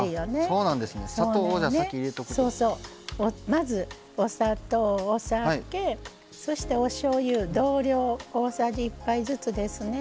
まずお砂糖お酒そしておしょうゆ同量大さじ１杯ずつですね。